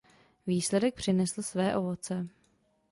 Výsledek přinesl své ovoce.